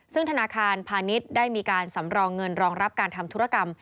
ซึ่งธนาคารพาณิชย์ได้มีการสำรองเงินรองรับการทำธุรกรรม